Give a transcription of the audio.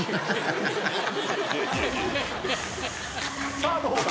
さあどうだ？